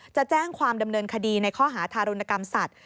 จะแจ้งความดำเนินคดีในข้อหาทารุณกรรมสัตว